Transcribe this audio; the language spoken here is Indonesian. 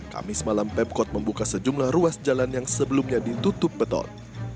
kamis malam pemkot membuka sejumlah ruas jalan yang sebelumnya ditutup beton